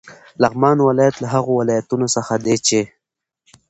لغمان ولایت له هغو ولایتونو څخه دی چې: